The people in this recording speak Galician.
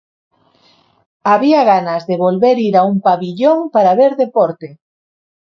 Había ganas de volver ir a un pavillón para ver deporte.